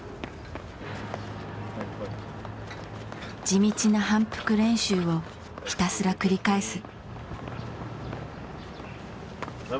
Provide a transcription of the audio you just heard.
地道な反復練習をひたすら繰り返す。